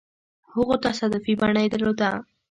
هغو تصادفي بڼه يې درلوده.